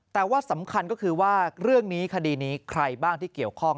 แต่ว่าสำคัญก็คือว่าเรื่องนี้คดีนี้ใครบ้างที่เกี่ยวข้อง